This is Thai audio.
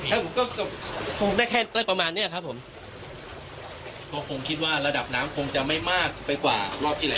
ถ้าผมก็คงได้แค่ได้ประมาณเนี้ยครับผมก็คงคิดว่าระดับน้ำคงจะไม่มากไปกว่ารอบที่แล้ว